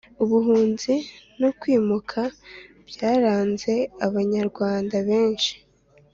ubuhunzi no kwimuka byaranze abanyarwanda benshi,